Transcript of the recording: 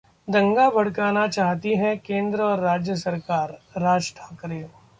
दंगा भड़काना चाहती है केंद्र और राज्य सरकार: राज ठाकरे